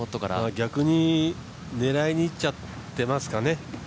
逆に狙いにいっちゃってますかね。